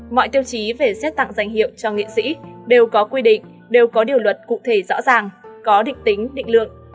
mọi tiêu chí về xét tặng danh hiệu cho nghệ sĩ đều có quy định đều có điều luật cụ thể rõ ràng có định tính định lượng